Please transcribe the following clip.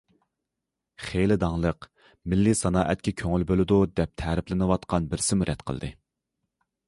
خېلى داڭلىق مىللىي سانائەتكە كۆڭۈل بۆلىدۇ، دەپ تەرىپلىنىۋاتقان بىرسىمۇ رەت قىلدى.